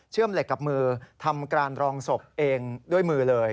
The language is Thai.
เหล็กกับมือทำการรองศพเองด้วยมือเลย